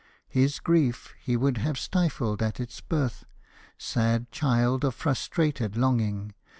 His grief he would have stifled at its birth, Sad child of frustrate longing!